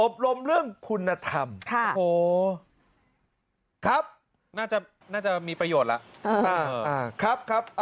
อบรมเรื่องคุณธรรมครับน่าจะมีประโยชน์แล้วครับครับ